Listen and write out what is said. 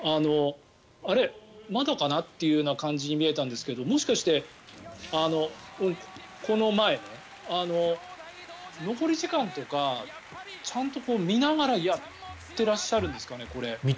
あれ、まだかな？という感じに見えたんですがもしかして、残り時間とかちゃんと見ながらやってらっしゃるんですかね？